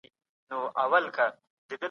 که اړيکي کمزورې وي ستونزې پيدا کيږي.